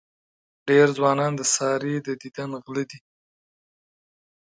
ډېر ځوانان د سارې د دیدن غله دي.